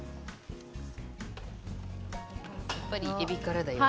やっぱりえびからだよね。